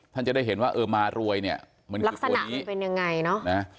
ท่านจะได้เห็นว่าเออมารวยเนี่ยมันลักษณะมันเป็นยังไงเนอะนะ